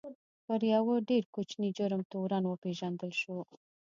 پر یوه ډېر کوچني جرم تورن وپېژندل شو.